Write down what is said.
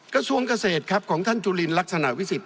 กระชวงเกษตรของท่านจุลินรักษณะวิสิทธิ์